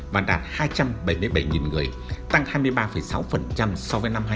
và đạt hai trăm bảy mươi bảy người tăng hai mươi ba sáu so với năm hai nghìn một mươi